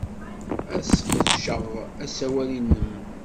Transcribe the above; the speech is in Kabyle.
Ad sqedceɣ asawal-nnem.